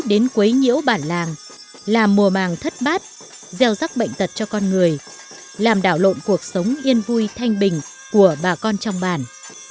đến quấy nhiêu bản làng làm mùa màng thất bát gieo rắc bệnh tật cho con người làm đảo lộn cuộc sống yên vui thanh bình của bà con trong bản